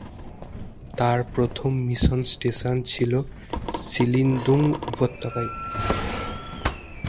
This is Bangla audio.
তার প্রথম মিশন স্টেশন ছিল সিলিন্দুং উপত্যকায়।